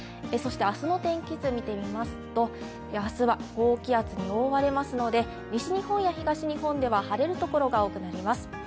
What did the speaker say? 明日の天気図、見てみますと、明日は高気圧に覆われますので西日本や東日本では晴れるところが多くなります。